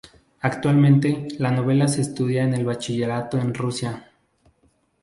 Actualmente, la novela se estudia en el bachillerato en Rusia.